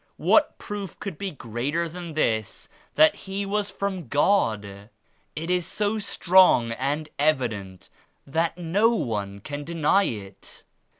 What proof could be greater than this that He was from God? It is so strong and evident that no one can deny it.